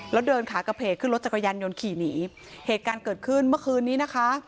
แล้วเดินขากระเพกขึ้นรถจักรยานยนต์ขี่หนีเหตุการณ์เกิดขึ้นเมื่อคืนนี้นะคะ